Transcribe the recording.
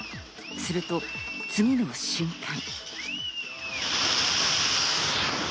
すると次の瞬間。